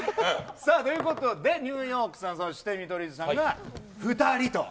さあ、ということで、ニューヨークさん、そして見取り図さんが２人と。